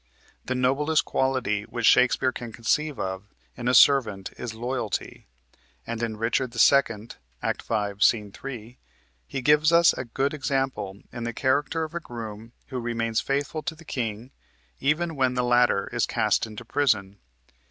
The noblest quality which Shakespeare can conceive of in a servant is loyalty, and in "Richard II." (Act 5, Sc. 3) he gives us a good example in the character of a groom who remains faithful to the king even when the latter is cast into prison.